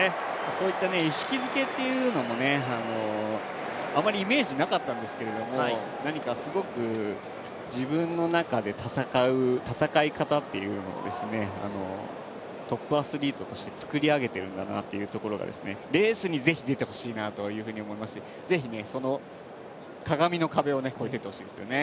そういった意識づけというのも、あまりイメージなかったんですけれども、何かすごく自分の中で戦う戦い方というのをトップアスリートとして作り上げているんだなっていうところをレースにぜひ出てほしいなと思いますし、ぜひその鏡の壁を超えていってほしいですよね。